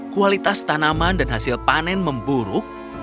kualitas tanaman dan hasil panen memburuk